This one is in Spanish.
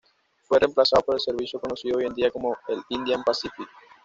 Fue reemplazado por el servicio conocido hoy en día como el Indian Pacific.